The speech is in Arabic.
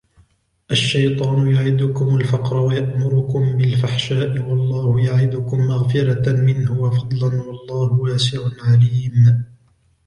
الشَّيْطَانُ يَعِدُكُمُ الْفَقْرَ وَيَأْمُرُكُمْ بِالْفَحْشَاءِ وَاللَّهُ يَعِدُكُمْ مَغْفِرَةً مِنْهُ وَفَضْلًا وَاللَّهُ وَاسِعٌ عَلِيمٌ